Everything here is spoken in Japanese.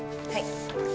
はい。